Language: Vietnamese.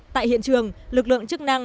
tại hiện trường lực lượng chức năng